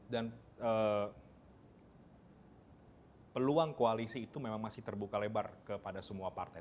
dan peluang koalisi itu memang masih terbuka lebar kepada semua partai